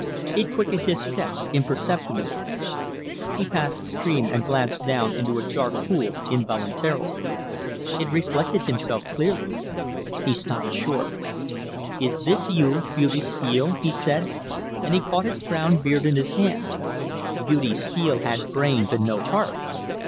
It quickened his steps imperceptibly. He passed a stream, and glanced down into a dark pool involuntarily. It reflected himself clearly. He stopped short. "Is this you, Beauty Steele?" he said, and he caught his brown beard in his hand. "Beauty Steele had brains and no heart.